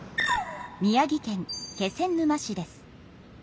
宮城県気仙沼市です。